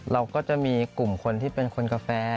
เราก็จะมีกลุ่มคนที่เป็นคนกาแฟ